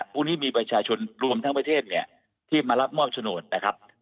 พรุ่งนี้มีประชาชนรวมทั้งประเทศเนี่ยที่มารับมอบโฉนดนะครับ